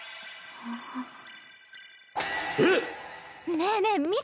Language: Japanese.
ねえねえ見た？